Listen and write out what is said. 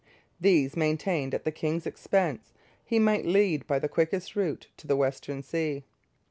These, maintained at the king's expense, he might lead by the quickest route to the Western Sea.